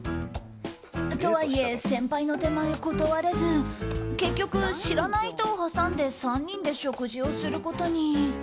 とはいえ先輩の手前、断れず結局、知らない人を挟んで３人で食事をすることに。